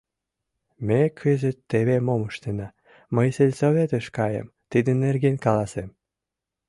Ме кызыт теве мом ыштена: мый сельсоветыш каем, тидын нерген каласем.